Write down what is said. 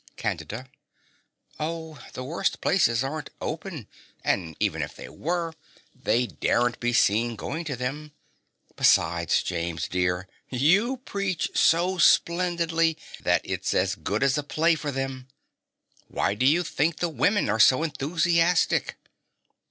CANDIDA. Oh, the worst places aren't open; and even if they were, they daren't be seen going to them. Besides, James, dear, you preach so splendidly that it's as good as a play for them. Why do you think the women are so enthusiastic?